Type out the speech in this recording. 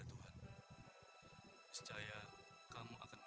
kamu suka masakan apa